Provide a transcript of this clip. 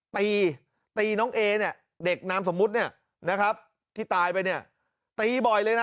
ตีตีน้องเอเนี่ยเด็กนามสมมุติเนี่ยนะครับที่ตายไปเนี่ยตีบ่อยเลยนะ